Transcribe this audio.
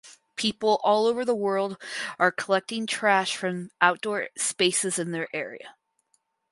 People all over the world are collecting trash from outdoor spaces in their area.